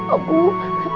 aku udah ingat